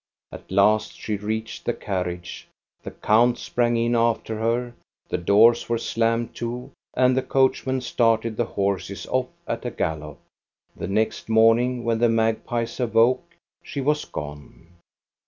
At last she reached the carriage, the count sprang in after her, the doors were slammed to, and the coachman started the horses off at a gallop. The next morning, when the magpies awoke, she was gone.